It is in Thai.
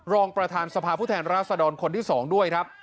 รองประธานสภาพพูดแทนราสดรคนที่สองด้วย